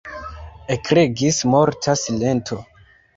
Ekregis morta silento.